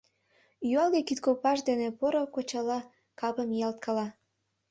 Юалге кидкопаж дене поро кочала капым ниялткала.